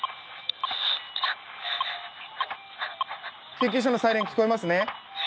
☎・救急車のサイレン聞こえますね？